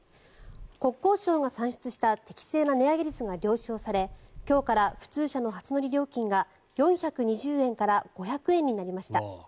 国交省が算出した適正な値上げ率が了承され今日から普通車の初乗り料金が４２０円から５００円になりました。